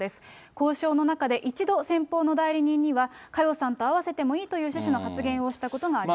交渉の中で一度先方の代理人には、佳代さんと会わせてもいいという趣旨の発言をしたことがありまし